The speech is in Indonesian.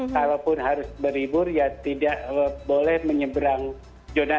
kalaupun harus berlibur ya tidak boleh menyeberang zona